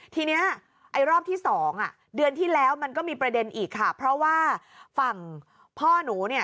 ทีนี้ไอ้รอบที่สองอ่ะเดือนที่แล้วมันก็มีประเด็นอีกค่ะเพราะว่าฝั่งพ่อหนูเนี่ย